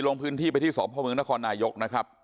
ลงพื้นที่ไปที่สพเมืองนครนายกนะครับ